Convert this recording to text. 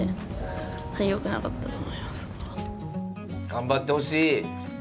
頑張ってほしい。